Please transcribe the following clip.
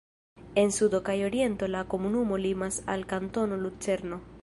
En sudo kaj oriento la komunumo limas al Kantono Lucerno.